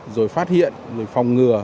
rồi phát hiện rồi phòng ngừa